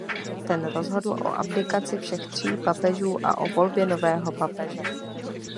Ten rozhodl o abdikaci všech tří papežů a o volbě nového papeže.